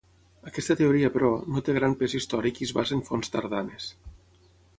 Aquesta teoria, però, no té gran pes històric i es basa en fonts tardanes.